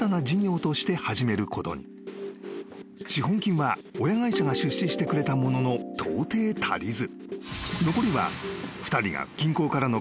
［資本金は親会社が出資してくれたもののとうてい足りず］